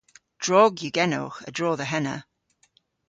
Drog yw genowgh a-dro dhe henna.